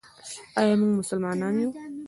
آیا موږ مسلمانان یو؟